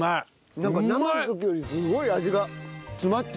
なんか生の時よりすごい味が詰まってる。